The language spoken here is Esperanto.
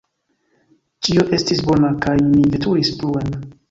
Ĉio estis bona, kaj ni veturis pluen.